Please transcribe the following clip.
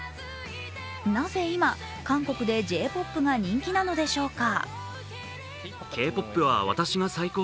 なぜ今、韓国でＪ‐ＰＯＰが人気なのでしょうか？